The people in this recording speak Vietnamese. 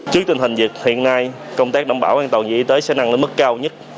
trước tình hình việc hiện nay công tác đảm bảo an toàn y tế sẽ năng lên mức cao nhất